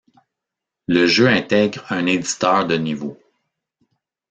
Le jeu intègre un éditeur de niveaux.